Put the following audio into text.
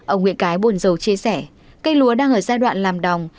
ông nguyễn cái bồn dầu chia sẻ cây lúa đang ở giai đoạn làm đồng